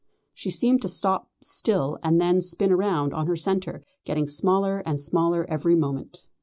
She seemed to stop still and then spin round on her centre, getting smaller and smaller every moment.